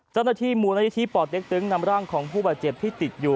จังหัวที่มูลนาฬิธีปอดเด็กตึงนำร่างของผู้บาดเจ็บที่ติดอยู่